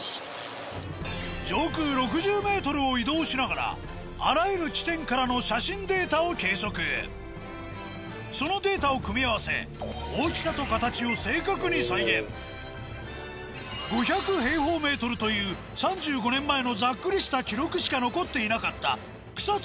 上空６０ｍを移動しながらあらゆる地点からの写真データを計測そのデータを組み合わせ大きさと形を正確に再現５００平方メートルという３５年前のざっくりした記録しか残っていなかった草津